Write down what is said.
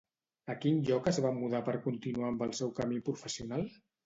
A quin lloc es va mudar per continuar amb el seu camí professional?